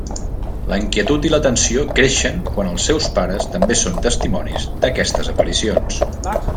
La inquietud i la tensió creixen quan els seus pares també són testimonis d'aquestes aparicions.